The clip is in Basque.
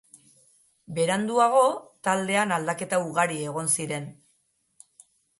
Beranduago, taldean aldaketa ugari egon ziren.